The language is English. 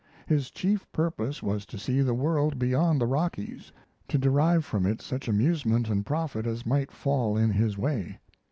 His chief purpose was to see the world beyond the Rockies, to derive from it such amusement and profit as might fall in his way.